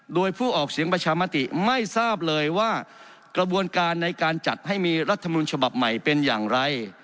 โดยผู้ออกเสียงประชามติไม่ทราบเลยว่ากระบวนการในการจัดให้มีรัฐมนุนฉบับใหม่เป็นอย่างไร